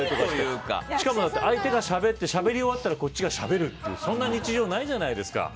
しかも相手がしゃべってしゃべり終わったらこっちがしゃべるっていうそんな日常ないじゃないですか。